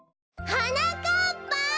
・はなかっぱ！